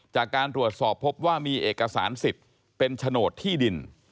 จากการตรวจสอบพบว่ามีเอกสารสิทธิ์เป็นโฉนดที่ดิน